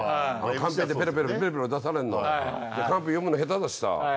カンペ読むの下手だしさ。